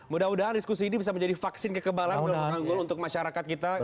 mudah mudahan diskusi ini bisa menjadi vaksin kekebalan kelompok anggul untuk masyarakat kita